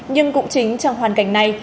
nhưng cũng chính trong hoàn cảnh này